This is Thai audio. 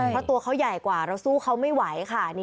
เพราะตัวเขาใหญ่กว่าเราสู้เขาไม่ไหวค่ะ